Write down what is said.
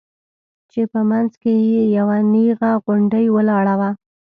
چې په منځ کښې يې يوه نيغه غونډۍ ولاړه وه.